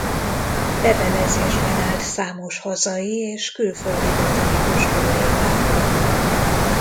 Levelezésben állt számos hazai és külföldi botanikus kollégával.